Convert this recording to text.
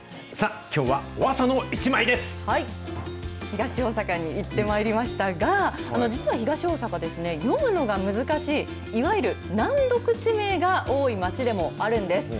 さあ、東大阪に行ってまいりましたが、実は東大阪、読むのが難しい、いわゆる難読地名が多い町でもあるんです。